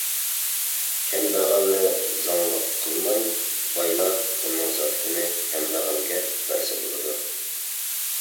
كەمبەغەلنى زاڭلىق قىلماي بايلا پۇلىنىڭ زاكىتىنى كەمبەغەلگە بەرسە بولىدۇ.